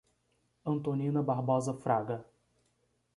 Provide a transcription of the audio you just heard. Antonina Barbosa Fraga